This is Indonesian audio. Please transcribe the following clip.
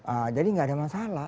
ah jadi nggak ada masalah